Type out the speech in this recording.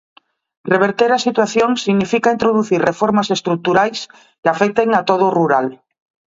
Reverter a situación significa introducir reformas estruturais que afecten a todo o rural.